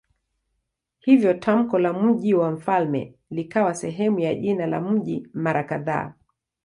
Hivyo tamko la "mji wa mfalme" likawa sehemu ya jina la mji mara kadhaa.